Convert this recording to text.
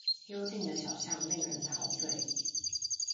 幽靜的小巷令人陶醉